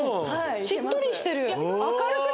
しっとりしてる。やだ。